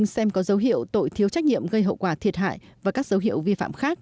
xem có dấu hiệu tội thiếu trách nhiệm gây hậu quả thiệt hại và các dấu hiệu vi phạm khác